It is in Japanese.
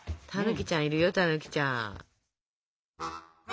たぬきちゃんいるよたぬきちゃん。